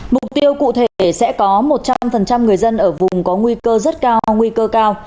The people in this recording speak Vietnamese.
mục tiêu cụ thể sẽ có một trăm linh người dân ở vùng có nguy cơ rất cao nguy cơ cao